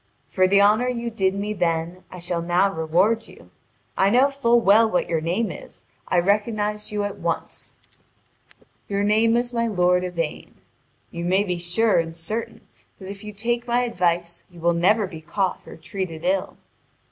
For the honour you did me then I shall now reward you. I know full well what your name is, and I recognised you at once: your name is my lord Yvain. You may be sure and certain that if you take my advice you will never be caught or treated ill.